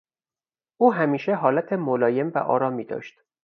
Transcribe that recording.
او همیشه حالت ملایم و آرامی داشت.